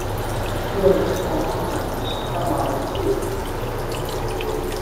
Mushrooms sometimes come out, too.